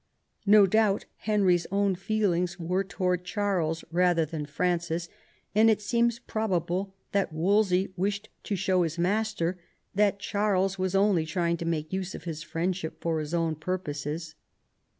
No doubt Henry's own feelings were towards Charles rather than Francis, and it seems probable that Wolsey wished to show his master that Charles was only trying to make use of his friendship for his own purposes.